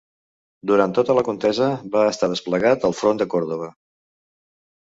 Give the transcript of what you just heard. Durant tota la contesa va estar desplegat al front de Còrdova.